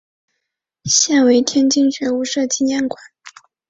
现为天津觉悟社纪念馆。